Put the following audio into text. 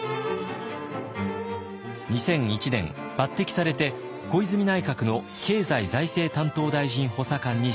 ２００１年抜てきされて小泉内閣の経済財政担当大臣補佐官に就任。